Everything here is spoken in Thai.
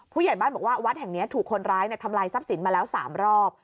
ผู้ใหญ่บ้านบอกว่าวัดแห่งนี้ถูกคนร้ายทำลายทรัพย์สินมาแล้ว๓รอบ